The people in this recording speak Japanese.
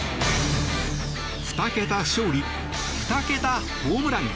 ２桁勝利２桁ホームラン。